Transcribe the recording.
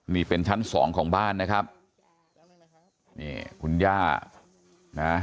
นี่เป็นชั้นสองของบ้านนะครับนี่คุณย่านะ